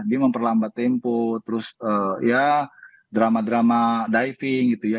dia memperlambat tempo terus ya drama drama diving gitu ya